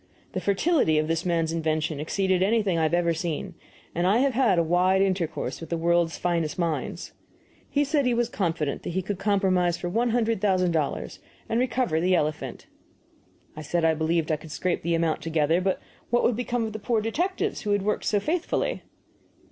The fertility of this man's invention exceeded anything I have ever seen, and I have had a wide intercourse with the world's finest minds. He said he was confident he could compromise for one hundred thousand dollars and recover the elephant. I said I believed I could scrape the amount together, but what would become of the poor detectives who had worked so faithfully?